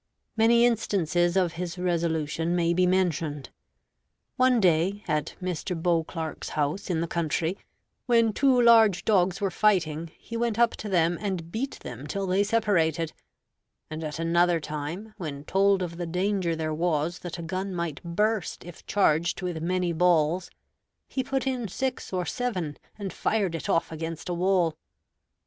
Many instances of his resolution may be mentioned. One day, at Mr. Beauclerk's house in the country, when two large dogs were fighting, he went up to them and beat them till they separated; and at another time, when told of the danger there was that a gun might burst if charged with many balls, he put in six or seven and fired it off against a wall.